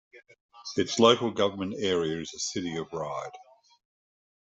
Its local government area is the City of Ryde.